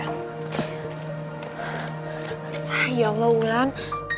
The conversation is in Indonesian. ya allah wulan